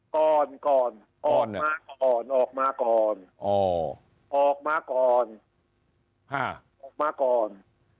ก่อนก่อนมาก่อนออกมาก่อนออกมาก่อนออกมาก่อน